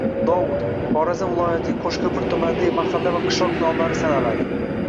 Dovud – Xorazm viloyatining Qo‘shko‘pir tumanidagi mahalla va qishloq nomlari sanaladi.